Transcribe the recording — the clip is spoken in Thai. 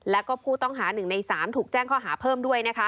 แล้วก็ผู้ต้องหา๑ใน๓ถูกแจ้งข้อหาเพิ่มด้วยนะคะ